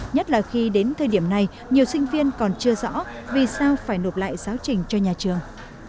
nhất là khi đến thời điểm này nhiều sinh viên còn chưa rõ vì sao phải nộp lại giáo trình cho nhà trường